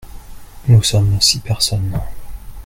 Nous sommes six personnes.